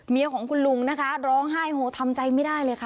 เมียของคุณลุงนะคะร้องไห้โหทำใจไม่ได้เลยค่ะ